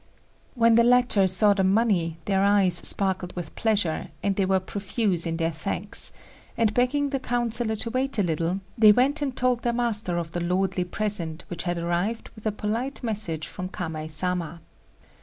When the latter saw the money their eyes sparkled with pleasure, and they were profuse in their thanks; and begging the councillor to wait a little, they went and told their master of the lordly present which had arrived with a polite message from Kamei Sama.